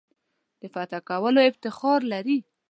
د فتح کولو افتخار لري.